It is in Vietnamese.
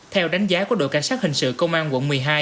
theo đánh giá của đội cảnh sát hình sự công an quận một mươi hai